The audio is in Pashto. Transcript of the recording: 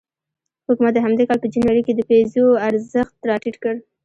حکومت د همدې کال په جنوري کې د پیزو ارزښت راټیټ کړ.